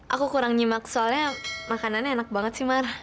aku kurang nyimak soalnya makanannya enak banget sih mar